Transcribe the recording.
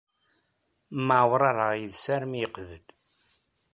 Mɛewrareɣ yid-s armi ay yeqbel.